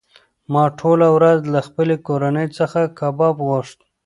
ما ټوله ورځ له خپلې کورنۍ څخه کباب غوښت.